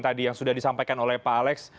tadi yang sudah disampaikan oleh pak alex